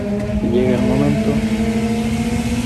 si llega el momento...